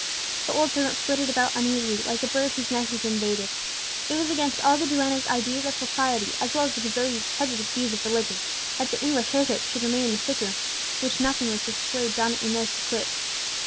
The old servant flitted about uneasily, like a bird whose nest is invaded. It was against all the duenna's ideas of propriety, as well as the devotee's prejudiced views of religion, that the English heretic should remain in the sick room, which nothing would persuade Donna Inez to quit.